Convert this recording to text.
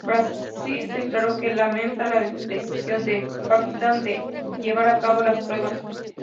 Brasil declaró que "lamenta" la decisión de Pakistán de llevar a cabo las pruebas.